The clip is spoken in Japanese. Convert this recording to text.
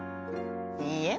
いいえ。